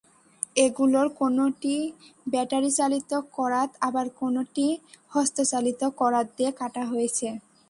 এগুলোর কোনোটি ব্যাটারিচালিত করাত আবার কোনোটি হস্তচালিত করাত দিয়ে কাটা হয়েছে।